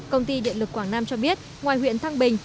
công ty điện lực quảng nam cho biết ngoài huyện thăng bình